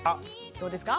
どうですか？